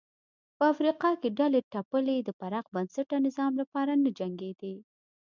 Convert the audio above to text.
په افریقا کې ډلې ټپلې د پراخ بنسټه نظام لپاره نه جنګېدې.